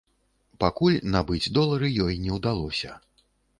Пакуль набыць долары ёй не ўдалося.